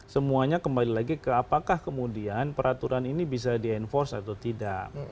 semuanya kembali lagi ke apakah kemudian peraturan ini bisa di enforce atau tidak